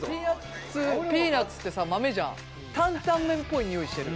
ピーナツってさ豆じゃん担々麺っぽいにおいしてる。